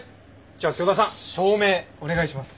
じゃあ京田さん照明お願いします。